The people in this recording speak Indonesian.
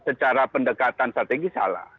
pertama pendekatan strategi salah